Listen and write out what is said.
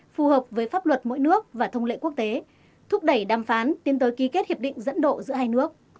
phù hợp với pháp luật mỗi nước và thông lệ quốc tế thúc đẩy đàm phán tiến tới ký kết hiệp định dẫn độ giữa hai nước